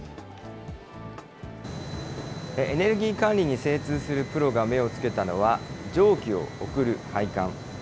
エネルギー管理に精通するプロが目をつけたのは、蒸気を送る配管。